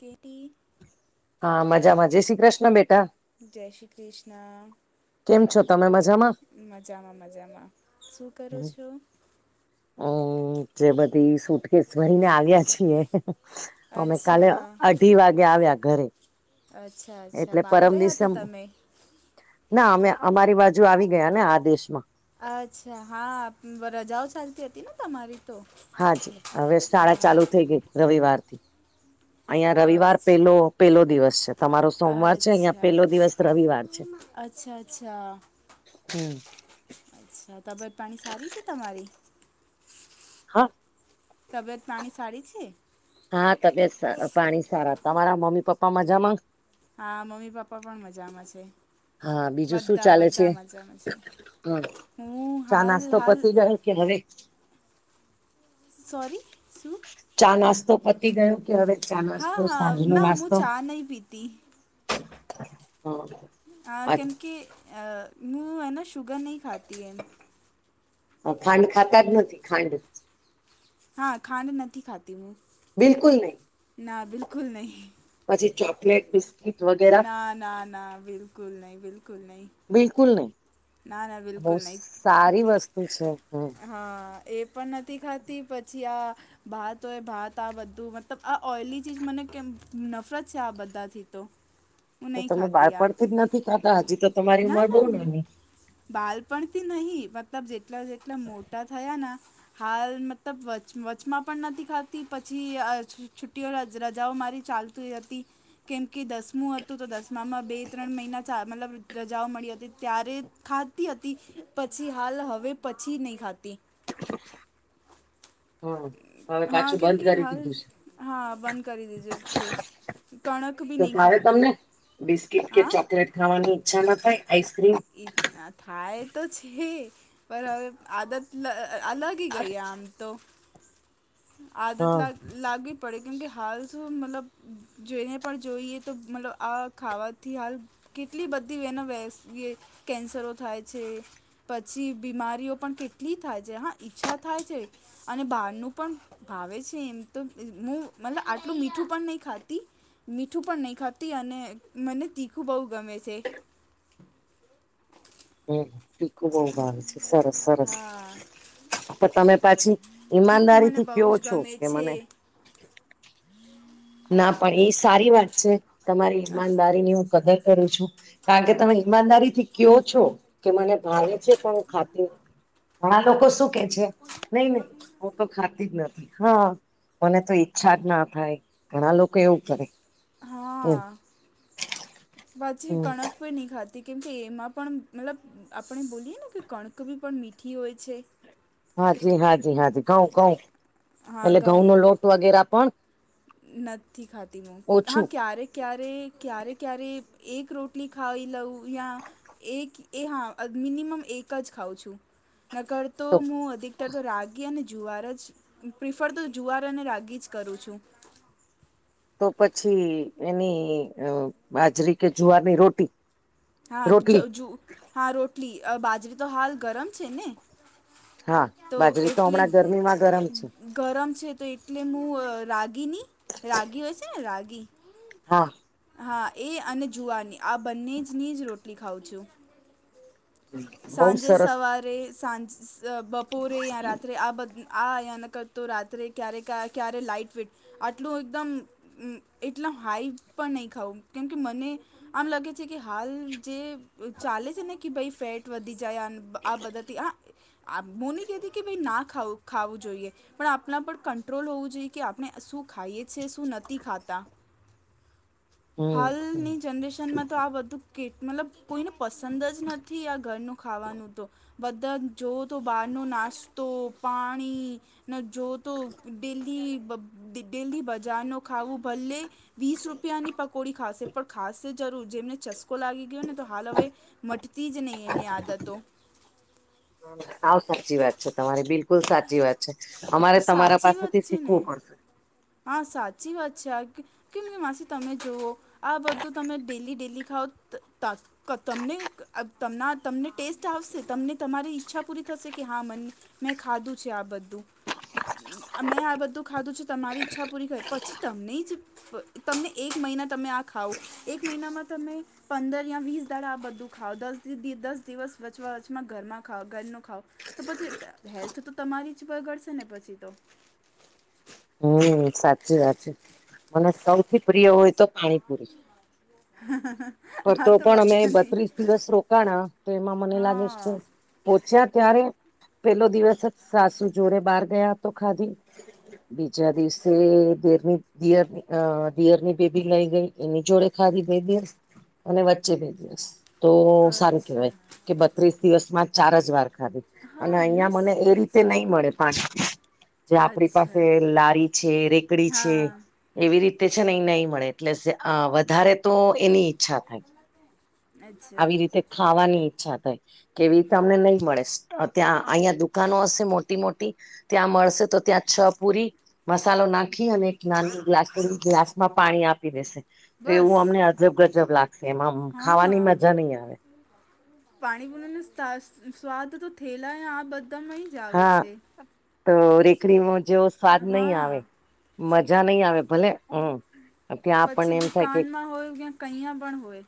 KT હા મજામાં જે શ્રી કૃષ્ણ બેટા જે શ્રી કૃષ્ણ કેમ છો તમે મજામાં મજામાં મજામાં શું કરો છો? અમ જે બધી સૂટકેસ ભરીને આવ્યા છીએ અમે કાલે અચ્છા અઢી વાગે આવ્યા ઘરે અચ્છા અચ્છા એટલે બહાર પરમ ગયા દિવસે તા તમે ના અમે અમારી બાજુ આવી ગયા ને આ દેશમાં અચ્છા હા હ રજાઓ ચાલતી હતી ને તમારી તો. હા જ હવે શાળા ચાલુ થઈ ગઈ રવિવાર થી [inaudible] અયા રવિવાર અચ્છા પેલો પેલો દિવસ છે તમારો સોમવાર છે અહિયાં અચ્છા પેલો દિવસ રવિવાર છે. અચ્છા અચ્છા હમ. અચ્છા તબિયત પાણી સારી છે તમારી? હા તબિયત પાણી સારી છે? હા તબિયત સારા પાણી સારા તમારા મમ્મી પપ્પા મજામાં? હા મમ્મી પપ્પા પણ મજામાં છે. હા બીજું શું બધા ચાલે છે બધા મજામાં છે. હ હું. ચા હાલ નાસ્તો હાલ. પતી ગયો કે હવે સોરી શું? ચા નાસ્તો પતી ગયો કે હવે ચા હા નાસ્તો હા સાંજ નો ના હું નાસ્તો. ચા નહીં પીતી હ. હા કેમ કે અ હું હે ને શુગર નહી ખાતી એમ. હ ખાંડ ખાતા જ નથી ખાંડ. હા ખાંડ નથી ખાતી હું. બિલકુલ નહી ના બિલકુલ નહીં પછી ચોકલેટ બિસ્કીિટ. ના ના ના બિલકુલ નહી બિલકુલ નહી. બિલકુલ નહી બહુ નહીં સારી વસ્તુ છે. હમ હા, એ પણ નતી ખાતી પછી આ ભાત હોય ભાત આ બધું મતલબ આ ઓઇલી ચીજ મને કેમ નફરત છે આ બધાથી તો. [inaudible] તો તમે ખાતી આ બાળપણથી જ નથી ખાતા હજી તો તમારી ઉંમર બવ નાની. બાલપણથી નહી મતલબ જેટલા-જેટલા મોટા થયા ના. હાલ મતલબ વચવચમાં પણ નતી ખાતી પછી આ [unintelligible] છુટ્ટીઓ રજાઓ મારી ચાલ તી હતી. કેમકે દસમું હતું તો દસમામાં બે-ત્રણ મહિના ચા મતલબ રજાઓ મળી હતી ત્યારે. ખાતી હતી પછી હાલ હવે પછી નઈ ખાતી. હમ હવે હા પાછું કેમ બંધ કી કરી હાલ દીધું હા બંધ કરી દીજે છે. કણક બી તો નહીં મારે ખાતી તમને બિસ્કીટ કે હા ચોકલેટ ખાવાની ઈચ્છા ન થાય આઈસ્ક્રીમ. એ થાય તો છે પણ હવે આદત અલગ તી ગઈ આમ તો આદત હા લા લાગી. પડે કેમકે હાલ શું મતલબ જોઈને પણ જોઈએ તો મતલબ આ ખાવાથી હાલ કેટલી બધી વેનો [unintelligible] કેન્સરો થાય છે. પછી બીમારીઓ પણ કેટલી થાય છે. હા ઈચ્છા થાય છે અને બારનું પણ ભાવે છે એમ તો હું મતલબ આટલું મીઠું પણ નહી ખાતી. મીઠું પણ નહીં ખાતી અને મને તીખું બહુ ગમે છે. [inaudible] હમ તીખું બવ ભાવ છે, સરસ સરસ હા પણ તમે પાછી તીખું મને ઈમાનદારીથી બહુ કયો જ છો ગમે કે છે મને ના પણ એ સારી વાત છે તમારી ઈમાનદારીની હું કદર કરું છું. કારણ કે તમે ઈમાનદારીથી કયો છો કે મને ભાવે છે પણ હું ખાતી. ઘણા લોકો શુક. કે છે, નઈ નઈ હું તો ખાતી જ નથી, હા મને તો ઈચ્છા જ ના થાય. ઘણા લોકો એવું કરે. એમ હા, પછી હમ કણક કોઈ નહી ખાતી કેમ કે એમાં પણ મતલબ આપણે બોલીએ ને કે કણક બી પણ મીઠી હોય છે. હાચી હાચી હાચી કઉ કઉ હા એટલે ઘઉં ઘઉંનો લોટ વગેરા પણ નથી ખાતી હું હા ઓછું ક્યારેક ક્યારે, ક્યારે-ક્યારે એક રોટલી ખાવી લઉં યાં એક એ હા મિનિમમ એક જ ખાઉ છું. નકરર તો હું અધિકતર તો રાગી અને જુવાર જ પ્રિફર તો જુવાર અને રાગી જ કરું છું. તો પછી એની અ બાજરી કે જુવારની રોટી હા રોટલી જજુ હા રોટલી અ બાજરી તો હાલ ગરમ છે ને? હા બાજરી તો હમણાં ગરમીમાં ગરમ છે. ગરમ છે તો એટલે હું રાગીની રાગી હોય છે ને રાગી હા. હા એ અને જુવારની આ બંને જ નીજ રોટલી ખાઉં છું. બહુ સરસ સાંજે-સવારે સા સાંજ, બપોરે યા રાત્રે આ બ આ અહીયા ન કરતો રાત્રે ક્યારે કા ક્યારે લાઈટ ફેટ આટલું એકદમ એટલા હાઈ પણ નઈ ખાવું કેમકે મને આમ લાગે છે. કે હાલ જે ચાલે છેને કે ભઈ ફેટ વધી જાય આ બધાથી આ આ હું નહિ કેતી કે ભાઈ ના ખાવું ખાવું જોઈએ. પણ આપણા પર કંટ્રોલ હોવું જોઈએ કે આપણે શું ખાઈએ છે છેએ શું નથી ખાતા હમ હાલની જનરેશનમાં તો આ બધું કે મતલબ કોઈને પસંદ જ નથી આ ઘરનું ખાવાનું તો બધા જોવઓ તો બહારનો નાસ્તો પાણી ન જોતો ડેલી બ ડી ડેલી બજાર ન ખાવું ભલે વીસ રૂપિયાની પકોડી ખાશે પણ ખાસે જરૂર. જેમને ચસ્કો લાગી ગયો ને તો હાલ હવે મટતી જ નહી એમની આદતો. હાવ સાચી વાત છે તમારી બિલ્કુલ સાચી વાત છે. અમારે તમારા સાચી વાત પાસેથી છે ને શીખવું પડશે. હા સાચી વાત છે આ કેમ કે માસી તમે જુવો આ બધું તમે ડેલી ડેલી ખાવઓ ત ક તમને અ તમના તમને ટેસ્ટ આવશે તમને તમારી ઈચ્છા પૂરી થશે કે હા મને મેં ખાધું છે આ બધું મેં આ બધું ખાધું છે તમારી ઈચ્છા પુરી કરી પછી તમને જ તમને એક મહિના તમે આ ખાવ એક મહિનામાં તમે પંદર યા વીસ દાડા આ બધું ખાવ દસ દિવસ વચવા વચમાં ઘરમાં ખાઓ ઘરનું ખાઓ તો પછી હેલ્થ તો તમારી જ બગડશે ને પછી તો. હમ સાચી વાત છે મને સૌથી પ્રિય હોય તો પાણીપુરી. પર હા તો પણ અમે બધાની બત્રીસ દિવસ રોકાણા તો એમાં મને લાગે છે કે હા પોહચ્યા ત્યારે પેલો દિવસ જ સાસુ જોડે બહાર ગયા તો ખાધી. બીજા દિવસ તે દેરની દિયરની અ દિયરની બેબી લઈ ગઈ એની જોડે ખાદી બે દિવસ અને વચ્ચે બે દિવસ. તો સારુ કહેવાય અચ્છા કે બત્રીસ દિવસ માં ચાર જ વાર ખાધી. અને હા ના અહિયાં મને એ રીતે સારું નહી મળે કહેવાય પાચ જે આપડી પાસે અચ્છા લારી છે રેકડી હા છે એવી રીતે છે ને એ નઈ મળે એટલે વધારે તો એની છા થાય અચ્છા આવી રીતે ખાવાની ઈચ્છા થાય. કેવી તઅમને નહી મળે ત્યાં અહીં દુકાનો હશે મોટી મોટી ત્યાં મળશે તો ત્યાં છ પુરી મસાલો નાખી અને એક નાનો પ્લાસ્ટિકના ગ્લાસ માં પાણી આપી દેશે તો બસ એવું અમને ગજબ ગજબ લાગશે એમાં ખાવાની મજા નહી આવે. પાણીપુરનો સ્વાદ તો થેલા આ બધામાંય જ આવે હા છે. તો રેકડીમાં જેવો સ્વાદ નહી આવે હા મજા નહીં આવે ભલે હમ ત્યાં પછી આપણને એમ થાય કે દુકાનમાં હોય કૈયા પણ હોય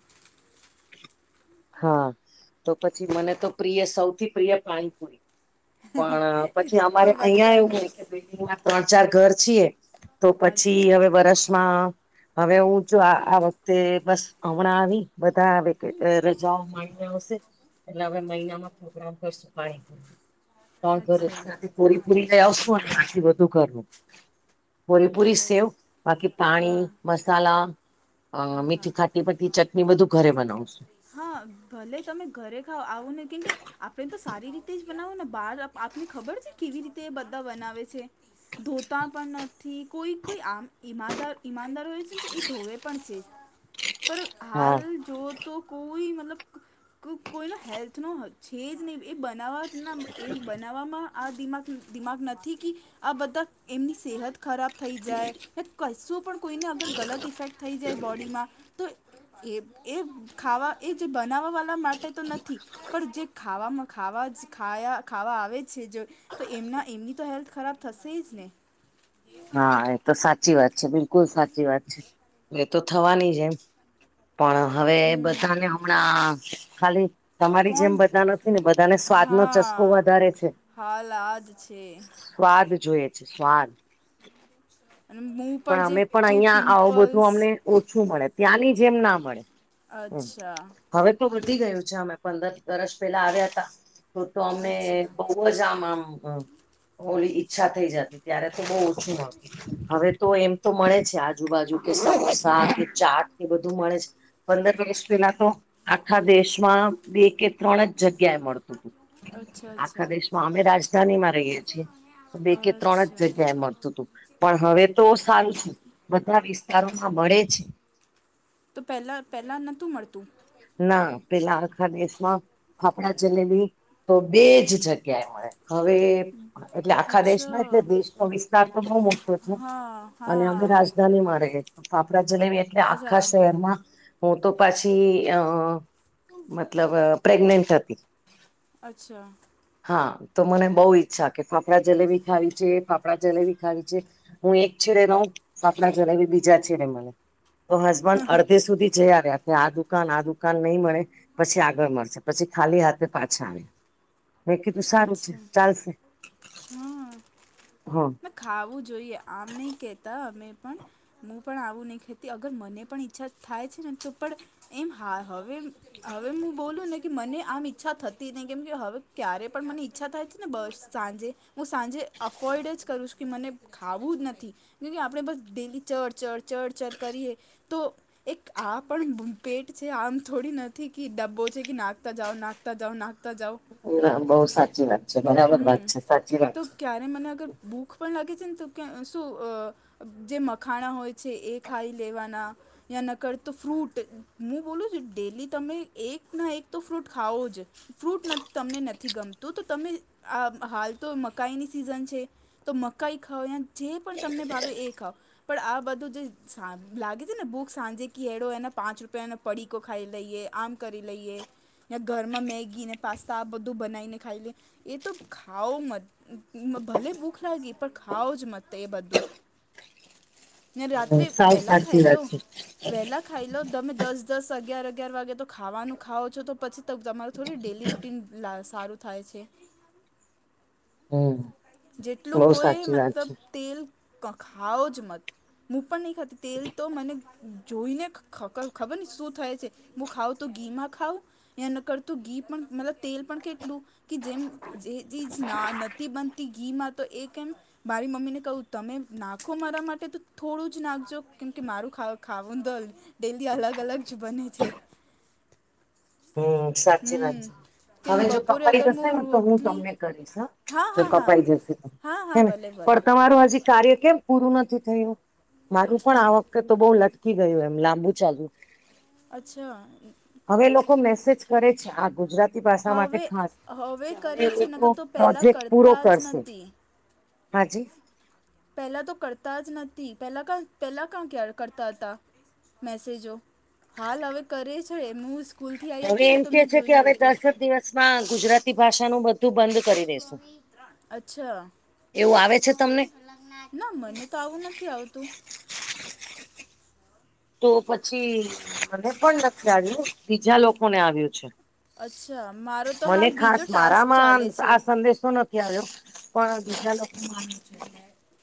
હા તો પછી મને તો પ્રિય સૌથી પ્રિય પાનપુરી પણ એ પછી તો અમારે અહિયાં બધાની જ હોય બિલ્ડિંગમાં ત્રણ ચાર ઘર છીએ તો પછી અચ્છા હવે વર્ષમાં. હવે હું જો આ વખતે બસ હમણાં આવી બધા [unintelligible] આવશે એટલે હવે મહિનામાં પ્રોગ્રામ કરશું પાણીપુરી ત્રણ ઘરે અચ્છા થી કોરી પુરીપુરી લઈ આવશું અને બીજુ બધું ઘરે કોરીપૂરી, અચ્છા સેવ, બાકી પાણી, હા મસલા અ હા હા મીઠી ખાટી બધી ચટણી બધું ઘરે બનાવશું. હા ભલે તમે ઘરે ખાઓ આવઉને કેટલીક આપણે તો સારી રીતે જ બનાવું ને બહાર આપને ખબર છે કેવી રીતે બધા બનાવે છે. ધોતા પણ નથી કોઈ આમ ઈમાદાર ઈમાનદાર હોય છે ને તો એ ધોવે પણ છે પર હાલ હા જો તો કોઈ મતલબ ક કોઈનો હેલ્થનો છે જ નહીં એ બનાવવાના એમ બનાવવામાં આ દિમાગ દિમાગ નથી કે આ બધા એમની સેહત ખરાબ થઈ જાય કશું. પણ કોઈને અગર ગલત ઇફેક્ટ થઈ જાય બોડીમાં તો એક એ ખાવા એજ બનાવા વાલા માટે તો નથી. પણ જે ખાવામાં ખાવા ખા ખાવા આવે છે. તો એમના એમની તો હેલ્થ ખરાબ થસેજ ને હા એ તો સાચી વાત છે. બિલકુલ સાચી વાત છે. એ તો થવાની જ એમ પણ હવે બધાને હમ હમણાં ખાલી તમારી જેમ કોણ બધા નથી ને બધાને સ્વાદ નો હા ચસ્કો વધારે છે. હાલ આ જ છે સ્વાદ જોય છે સ્વાદ અને મું પર પણ જે અમે પણ જે અહિયાં આવું પિમ્પલ્સ બધું અમને ઓછું મળે ત્યાંની જેમ ના મળે. હમ અચ્છા.. હવે તો વધી ગયું છે. અમે પંદર વર્ષ પેલા આવ્યા હતા. તો તો અમને અચ્છા બ બ જ આમ આમ હોલી ઈચ્છા થઈ જતી ત્યાં. બહ ઓછી મળતું હવે તો એમ તો મળે આજુબાજુ કે સમોસા ચાટ ને બધું મળે છે. પંદર વર્ષ પેલા તો આખા દેશમાં બે કે ત્રણ જ જગ્યાએ મળતું હતુ. અચ્છા આખા અચ્છા દેશમાં અમે રાજધાની માં રહીએ છીએ બે કે ત્રણ જ. અચ્છા મળતું હતું પણ હવે તો સારું છે. બધા વિસ્તારોમાં મળે છે‌ તો પહેલા પહેલા નતું મળતું. ના પેલા આખા દેશમાં ફાફડા જલેબી તો બે જગ્યાએ ક્યા મળે હવે એટલે આખા દેશમાં અચ્છા એટલે દેશનો વિસ્તાર તો બહુ મોટો છે. હા અને હા હવે રાજધાનીમા રેય ફાફડા જલેવી એટલે આખા અચ્છા શહેરમાં હું તો પાછી અ મતલબ પ્રેગનેન્ટ હતી. અચ્છા. હા તો મને બઉ ઈચ્છા કે ફાફડા જલેબી ખાવી છે. ફા ફાફડા જલેબી ખાવી છે. હું એક છેડે રઉ ફાફડા જલેબી બીજા છેડે મળે. તો હસબન્ડ અડધે સુધી જઈ આવ્યા છે. આ દ દુકાન આ દુકાન નહી મળે પછી આગળ મળશે પછી ખાલી હાથે પાછા આવ્યા. મે કીધું સારું છે અચ્છા ચાલશે. હા. હા. ખાવું જોઈએ આમ નહી કેતા અમે પણ મું પણ આવું નહી ખતી અગર મને પણ ઈચ્છા થાય ને તો પણ એમ હા હવે હવે હું બોલું ને કે મને આમ ઈચ્છા થતી નહી કેમ કે હવે ક્યારે પણ મને ઈચ્છા થાય છે. ને બસ સાંજે હું સાંજે અફોર્ડ જ કરું છ કે મને ખાવું જ નથી. કે-કે આપણે બસ ડેલી ચડ-ચડ-ચડ ચર કરીએ તો એક આ પણ પેટ છે આમ થોડી નથી કે ડબ્બો છે કે નાખતા જાઓ નાખતા નાખતા જાઓ નાખતા જાઓ. ના બહુ સાચી વાત છે બરાબર વાત હમ છે. સાચી વાત તો છે. ક્યારે મને અગર ભૂખ પણ લાગે છે. ને તો કે શું અ જે મખાણા હોય છે એ ખાઈ લેવાના. યા નકરતો ફ્રૂટ મું બોલું છું. ડેલી તમે એક ના એક તો ફ્રૂટ ખાવો જ. ફ્રૂટ નથ તમને નથી ગમતું તો તમે આ હાલ તો મકાઈની સિઝન છે. તો મકાઈ ખાઓ યા જે પણ તમને ભાવે એ ખાઓ. પણ આ બધું જે સાંજ લાગે છે ને ભૂખ સાંજે કે એળો એના પાંચ રૂપિયાનો પડીકો ખાઈ લઈએ આમ કરી લઈએ. ને ઘરમાં મેગી ને પાસ્તા આ બધું બનાવીને ખાઈ લે. એ તો ખાઓ મત ભલે ભૂખ લાગી પણ ખાઓ જ મત એ બધું. ને રાત્રે સાવ વેલા સાચી ખાઈ લો વાત છે વેલા ખાઈ લો તમે દસ-દસ અગિયાર-અગિયાર વાગે તો ખાવાનું ખાવ છો પછી તમારૂ થોડી ડેલી રૂટિન લા સારું થાય છે. હમ્મ. જેટલું હોય મતલબ તેલ ખાઓ જ મત. મું પણ નહીં ખાતી તેલ તો મને જોઈને ખખલ ખબર નઈ શું થાય છે. મું ખાવઉ તો ઘી માં ખાવ યા નકર તો ઘી પણ મતલબ તેલ પણ કે જેમ જે ચીજ ના નથી બનતી ઘી માં તો કેમ મારી મમ્મીને કહું તમે નાખો મારા માટે તો થોડું જ નાખજો કેમકે મારું ખાવું દલ ડેલી અલગ-અલગ જ બને છે. હમ્મ સાચી વાત હમ છે. કેમ હવે જો બપોરે કપાઈ અગર જશે ને તો હું રોટલી તમને કરીશ હ. હા જો હા હા કપાઈ જશે તો હા હા હેને ભલે ભલે પણ તમારું હજી કાર્ય કેમ પૂરું નથી થયું મારું પણ હમ આવક તો-તો બહુ લટકી ગયું એમ લાંબુ ચાલ્યું. અચ્છા. હવે લોકો મેસેજ કરે છે આ ગુજરાત ગુજરાતી ભાષા માટે હવે ખાસ હવે કરે છે લોકો નકર તો પહેલાં પ્રોજેક્ટ પૂરો કરતા જ કરશે. નથી આજે પહેલાં તો કરતા જ નથી પહેલાં કં પહેલાં ક્યાં ક કરતા હતા મેસેજો હાલ હવે કરે છે હું સ્કૂલથી આવીઈ હવે હતી એમ ને તો કે મેં છે કે હવે જોયું હતું દસ જ દિવસમાં ગુજરાતી ભાષાનુંું બ તું બંધ કરી અચ્છા એવું આવે તમને ના મને આવું આવતું તો પછી મને પણ નક્ આવ્યું બીજા લોકોને આવ્યું છે અચ્છા મારો તો મને હાલ ખાસ બીજો ટાસ્ક મારામાં ચાલે છે આ સંદેશો નથી પણ દજરા લોકો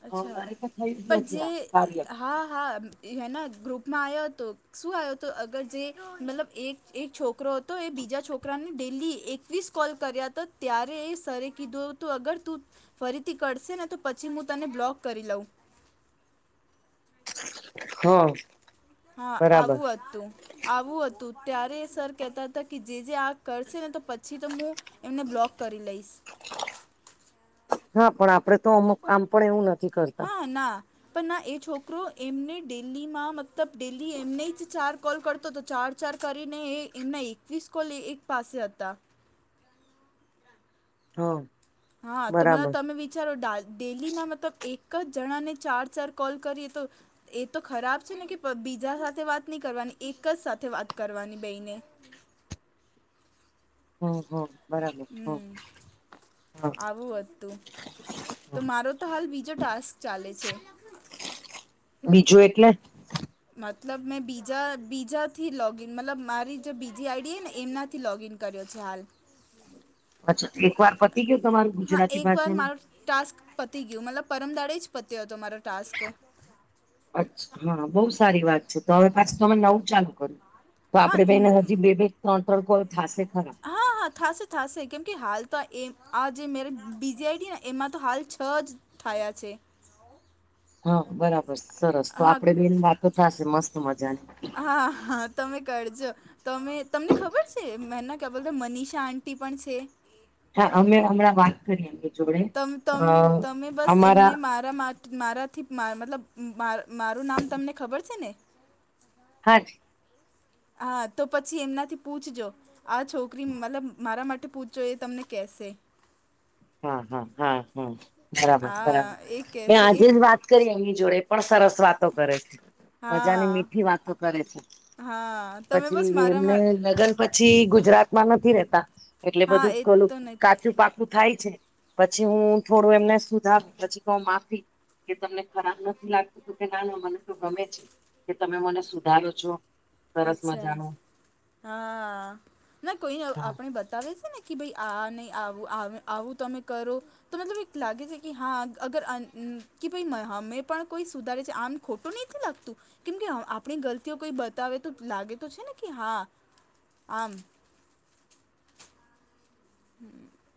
અચ્છા મારે તો થયું જ પણ નથી જે આ કાર્ય હા હા હે ગ્રુપમાં આવ્યો હતો શું આવ્યો હતો અગર જે મતલબ એક એક છોકરો તો એ બીજા છોકરાને ડેલી એકવીસ કોલ કર્યા હતા ત્યારે એ સરરે કીધું હતું અગર તું ફરીથી કરશે ને તો પછી હું તને બ્લોક કરી લઉં હા હા બરાબર આવું હતું આવું હતું ત્યારે સર કહેતા હતા કે જે જે આ કરશે ને તો પછી તો હું એમને બ્લોક કરી લઈશ હા પણ આપડે તો અમુક આમ પણ એવું નથી કરતા હા ના પણ ના એ છોકરો એમને ડેલીમાં મતલબ ડેલી એમને જ ચાર કોલ કરતો તો ચાર ઉપચાર કરીને એ એમના એકવીસ કોલ એક પાસે હતા હમ હા તો મને તમે વિચારો ડાલ ડેલી ના મતલબ એક જ જણાને ચાર ચાર કોલ કરીએ તો એ તો ખરાબ છે ને કે બીજા સાથે વાત નહી કરવાની એક જ સાથે વાત કરવાની બેઈને હમ હમ હા હમ આવું હતું તો મારો તો હાલ બીજો ટાસ્ક ચાલે છે બીજું એટલે મતલબ મેં બીજા બીજાથી લોગીન મતલબ મારી જે બીજી આઈડી હ ને એમનાથી લોગઈન કર્યો છે હાલ અચ્છા એક વાર પ [unintelligible] તમારું હા ગુજરાતી એક વાર ભાષાનું મારો ટાસ્ક પતી ગયું મતલબ પરમદાડે જ પત્યો હતો મારો ટાસ્ક. અચ્છા હા બહુ સારી વાત છે તો હવે પાછ તો અમે નવું ચાલુ કરો તો હા આપડે બેને ન- હજી બે બે ત્રણ ત્રણ કોલ થશે ખરા હા હા થશે થશે કેમકે હાલ તો આ એ આ જે મેરે બીજીઆઈટી ને એમાં તો હાલ છ જ થાયા છે. હા બરાબર સરસ તો હા આપડે બેની વાતો થશે મસ્ત મજાની. હા હા તમે કરજો તમે તમને ખબર છે મેના ક્યા બોલતા મનીષા આંટી પણ છે. હા અમે હમણાં વાત કરી જોડે તમ અ તમ તમે બસ અમારા એમને માર મારા મા મારાથી મતલબ મા મારું નામ તમને ખબર છે ને [inaudible] હા તો પછી એમનાથી પૂછજો આ છોકરી મતલબ મારા માટે પૂછજો એ તમને કેસે. હા હા હા હા બરાબર બરાબર હા એ મે કેશે આજે એક જ વાત કરી એમની જોડે પણ સરસ વાતો કરે છે મજાની હા મીઠી વાતો કરે છે. હા તમે બસ પછી મારા એમને મા લગન પછી ગુજરાતમાં નથી રેતા એટલે હા બધું એ જ ખલું તો ન કાચું પાકું થાય. પછી હું થોડું એમને સુધાર પછી કઉ માફી કે તમને ખરાબ લાગતું કે ના ના મને તો ગમે છે. કે તમે મને સુધારો છો. સરસ અચ્છા મજાનું હા ના કોઈ હા આપણે બતાવે છે ને કે ભાઈ આ નહીં આવું આવુ તમે કરો. તો મતલબ એક લાગે છે કે હા અગર [unintelligible] અમે પણ કોઈ સુધારે છે આમ ખોટું નથીહ લાગતું કેમ કે આપણી ગલતીઓ કોઈ બ બતાવે તો લાગે તો છે ને કે હા આમ. [inaudible]